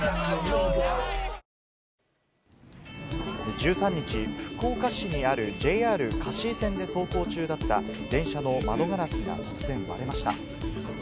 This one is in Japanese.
１３日、福岡市にあるＪＲ香椎線で走行中だった電車の窓ガラスが突然割れました。